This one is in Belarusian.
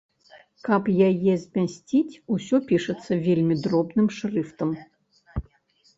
Каб яе змясціць, усё пішацца вельмі дробным шрыфтам.